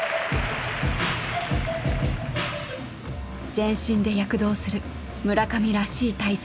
全身で躍動する村上らしい体操。